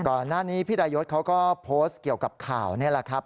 ก่อนหน้านี้พี่ดายศเขาก็โพสต์เกี่ยวกับข่าวนี่แหละครับ